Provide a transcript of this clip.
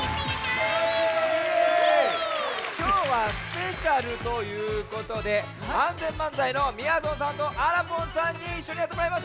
きょうはスペシャルということでＡＮＺＥＮ漫才のみやぞんさんとあらぽんさんにいっしょにやってもらいます。